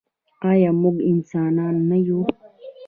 آیا موږ انسانان نه یو؟